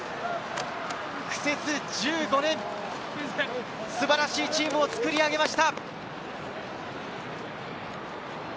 苦節１５年、素晴らしいチームを作り上げました。